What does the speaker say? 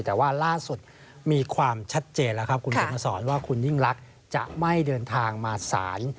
แต่ว่าล่าสุดมีความชัดเจนแล้วครับคุณเขียนมาสอนว่าคุณยิ่งลักษณ์จะไม่เดินทางมาศาล